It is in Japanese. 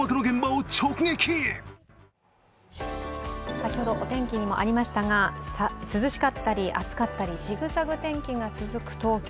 先ほどお天気にもありましたが涼しかったり、暑かったり、ジグザグ天気が続く東京。